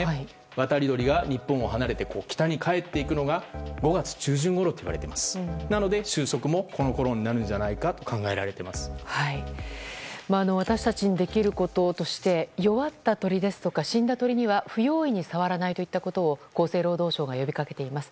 渡り鳥が日本を離れて北に帰っていくのが５月中旬だといわれているので収束もそのころになるのではと私たちにできることとして弱った鳥や死んだ鳥には不用意に触らないといったことを厚生労働省が呼び掛けています。